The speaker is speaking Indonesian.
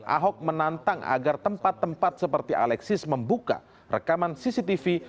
ahok menantang agar tempat tempat seperti alexis membuka rekaman cctv